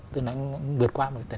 tôi nói vượt qua mà phải